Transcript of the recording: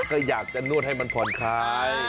ก็อยากจะนวดให้มันผ่อนคลาย